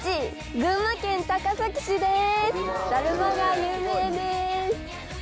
群馬県高崎市です！